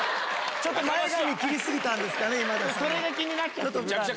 ちょっと前髪切り過ぎたんですかね、今田さん。